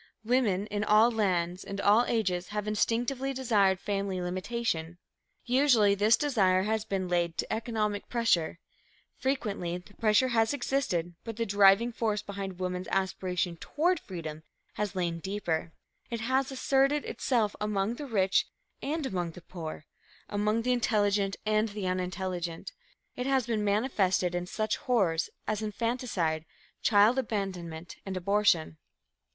Women in all lands and all ages have instinctively desired family limitation. Usually this desire has been laid to economic pressure. Frequently the pressure has existed, but the driving force behind woman's aspiration toward freedom has lain deeper. It has asserted itself among the rich and among the poor, among the intelligent and the unintelligent. It has been manifested in such horrors as infanticide, child abandonment and abortion.